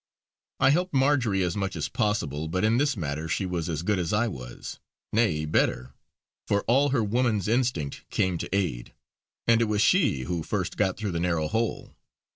I helped Marjory as much as possible, but in this matter she was as good as I was; nay better, for all her woman's instinct came to aid, and it was she who first got through the narrow hole.